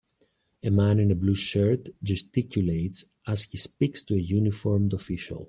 A man in a blue shirt gesticulates as he speaks to a uniformed official.